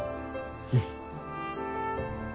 うん。